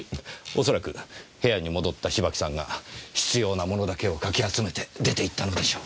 恐らく部屋に戻った芝木さんが必要なものだけをかき集めて出て行ったのでしょう。